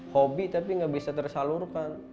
hobi tapi nggak bisa tersalurkan